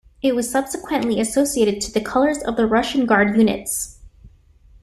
It was subsequently associated to the colors of the Russian Guard units.